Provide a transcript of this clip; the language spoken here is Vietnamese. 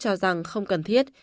cho rằng không cần thiết